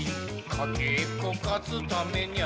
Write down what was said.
かけっこかつためにゃ」